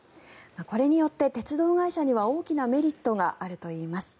これによって鉄道会社には大きなメリットがあるといいます。